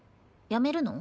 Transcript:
やめるの？